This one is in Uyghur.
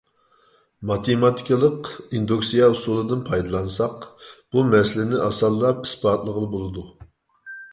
ماتېماتىكىلىق ئىندۇكسىيە ئۇسۇلىدىن پايدىلانساق، بۇ مەسىلىنى ئاسانلا ئىسپاتلىغىلى بولىدۇ.